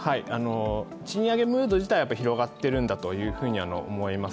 賃上げムード自体は広がっているんだというふうに思います。